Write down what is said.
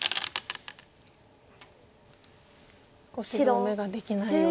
少しでも眼ができないように。